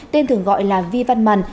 tên thường gọi là vi văn mần